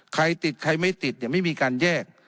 ใครติดใครไม่ติดไม่มีการแยก